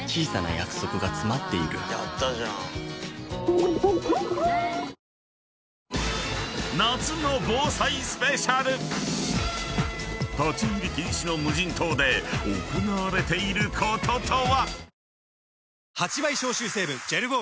ニトリ［立ち入り禁止の無人島で行われていることとは⁉］